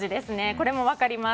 これも分かります。